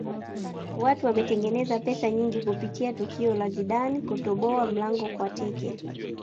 watu wametengeneza pesa nyingi kupitia tukio la zidane kutoboa mlango kwa teke